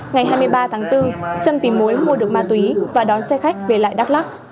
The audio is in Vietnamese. ngày hai mươi ba tháng bốn trâm tìm mối mua được ma túy và đón xe khách về lại đắk lắc